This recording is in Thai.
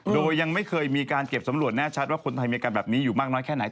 โดยยังไม่เคยมีการเก็บสำรวจแน่ชัดว่าคนไทยมีอาการแบบนี้อยู่มากน้อยแค่ไหน